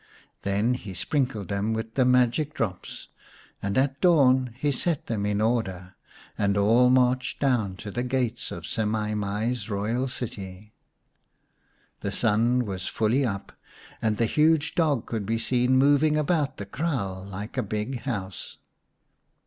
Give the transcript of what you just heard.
Then he sprinkled them with the magic drops, and at dawn he set them in order and all marched down to the gates of Semai mai's royal city. The sun was fully up, and the huge dog could be seen moving about the kraal like a big house.